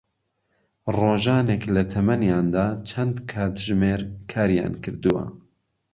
ڕۆژانێک لە تەمەنیاندا چەند کاتژمێر کاریان کردووە